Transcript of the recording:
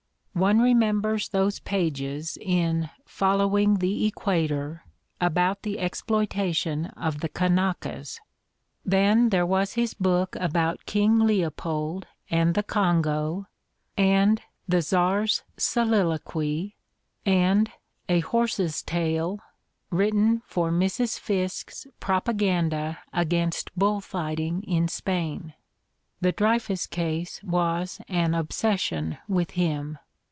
One remembers those pages in "Following the Equator" about the exploita tion of the Kanakas. Then there was his book about King Leopold and the Congo, and "The Czar's Solilo quy," and "A Horse's Tale," written for Mrs. Piske's propaganda against bull fighting in Spain. The Dreyfus case was an obsession with him.